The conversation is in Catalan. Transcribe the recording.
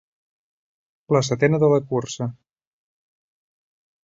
La setena de la cursa.